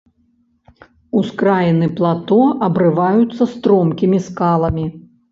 Ускраіны плато абрываюцца стромкімі скаламі.